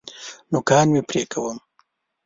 نوکان مي پرې کوم .